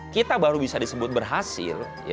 kita baru bisa disebut berhasil